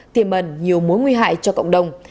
tiềm ẩn nhiều mối nguy hại cho cộng đồng